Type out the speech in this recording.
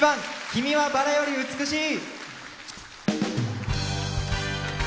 「君は薔薇より美しい」。